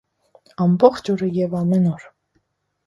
- Ամբողջ օրը և ամեն օր: